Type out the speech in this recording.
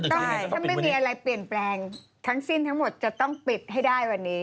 ต้องถ้าไม่มีอะไรเปลี่ยนแปลงทั้งสิ้นทั้งหมดจะต้องปิดให้ได้วันนี้